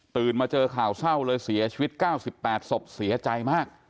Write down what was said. ตื่นมาเจอข่าวเศร้าเลยเสียชีวิตเก้าสิบแปดสบเสียใจมาก